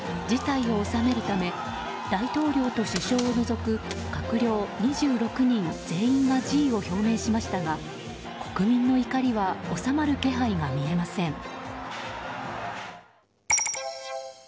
事態を収めるため大統領と首相を除く閣僚２６人全員が辞意を表明しましたが国民の怒りは収まる気配が見えません。